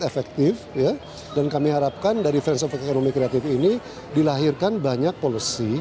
efektif dan kami harapkan dari friends of creative economy ini dilahirkan banyak polusi